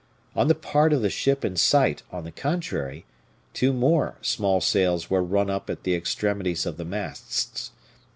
On the part of the ship in sight, on the contrary, two more small sails were run up at the extremities of the masts.